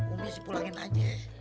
ummi sih pulangin aja